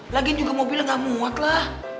lagian juga mobilnya gak muat lah